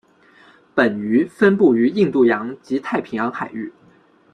本鱼分布于印度洋及太平洋海域。